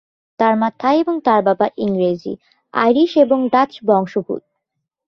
তার মা থাই এবং তার বাবা ইংরেজি, আইরিশ এবং ডাচ বংশোদ্ভূত।